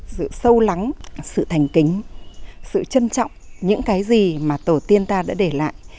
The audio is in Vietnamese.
sự sâu lắng sự thành kính sự trân trọng những cái gì mà tổ tiên ta đã để lại